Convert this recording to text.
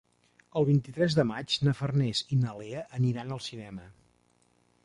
El vint-i-tres de maig na Farners i na Lea aniran al cinema.